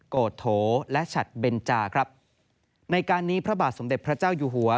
โกโถและฉัดเบนจาครับในการนี้พระบาทสมเด็จพระเจ้าอยู่หัว